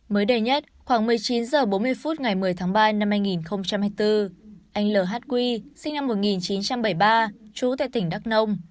mới đây nhất khoảng một mươi chín h bốn mươi phút ngày một mươi tháng ba năm hai nghìn hai mươi bốn anh l quy sinh năm một nghìn chín trăm bảy mươi ba trú tại tỉnh đắk nông